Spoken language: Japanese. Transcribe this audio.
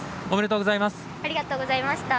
おめでとうございます。